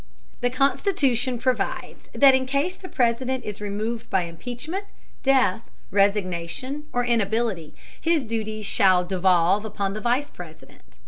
The Constitution provides that in case the President is removed by impeachment, death, resignation, or inability, his duties shall devolve upon the Vice President.